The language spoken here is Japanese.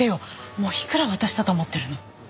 もういくら渡したと思ってるの？